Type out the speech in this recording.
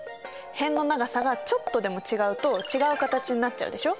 辺の長さがちょっとでも違うと違う形になっちゃうでしょ。